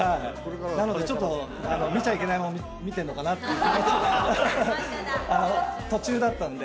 なのでちょっと、見ちゃいけないもん見てるのかなって気持ち、途中だったんで。